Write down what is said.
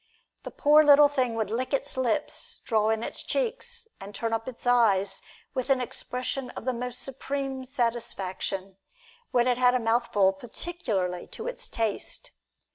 The poor little thing would lick its lips, draw in its cheeks, and turn up its eyes with an expression of the most supreme satisfaction, when it had a mouthful particularly to its taste.